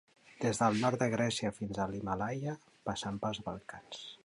Des del nord de Grècia fins a l'Himàlaia, passant pels Balcans.